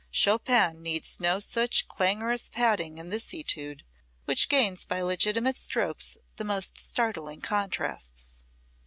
Chopin needs no such clangorous padding in this etude, which gains by legitimate strokes the most startling contrasts.